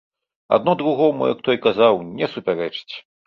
Адно другому, як той казаў, не супярэчыць.